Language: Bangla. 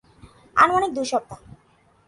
আনুমানিক দুই সপ্তাহ।